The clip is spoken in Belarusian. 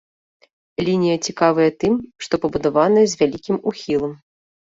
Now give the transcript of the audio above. Лінія цікавая тым, што пабудаваная з вялікім ухілам.